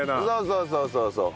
そうそうそうそう！